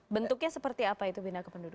bentuknya seperti apa itu bina kependudukan